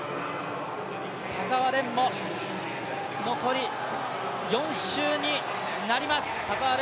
田澤廉も残り４周になります。